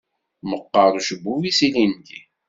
Meqqeṛ ucebbub-is ilindi.